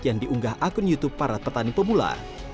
yang diunggah akun youtube para petani pemula